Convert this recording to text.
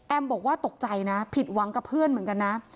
บอกว่าตกใจนะผิดหวังกับเพื่อนเหมือนกันนะ